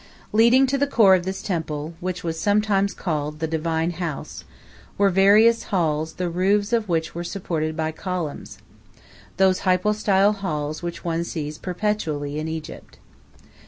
Leading to this core of the temple, which was sometimes called "the divine house," were various halls the roofs of which were supported by columns those hypostyle halls which one sees perpetually in Egypt.